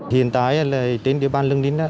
hiện tại là trên địa bàn lực lượng